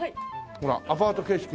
ほらアパート形式で。